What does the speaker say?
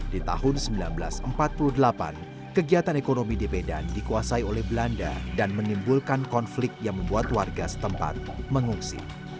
di tahun seribu sembilan ratus empat puluh delapan kegiatan ekonomi di medan dikuasai oleh belanda dan menimbulkan konflik yang membuat warga setempat mengungsi